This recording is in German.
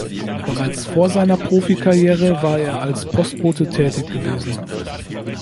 Bereits vor seiner Profikarriere war er als Postbote tätig gewesen.